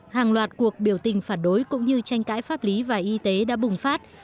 hàng loạt cuộc biểu tình phản đối cũng như tranh cãi pháp lý và y tế đã bùng phát